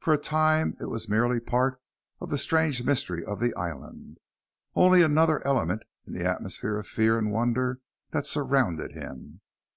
For a time it was merely part of the strange mystery of the island, only another element in the atmosphere of fear and wonder that surrounded him.